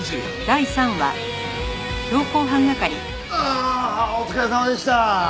ああお疲れさまでした！